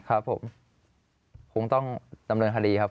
ครับผมคงต้องดำเนินคดีครับ